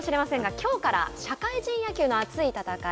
きょうから社会人野球の熱い戦い